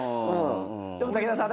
でも武田さん